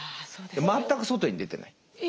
全く外に出てない。